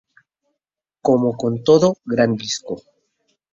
Como con todo gran disco...